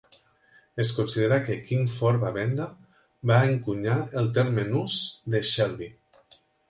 Es considera que Kingford Bavender va encunyar el terme nus de "Shelby".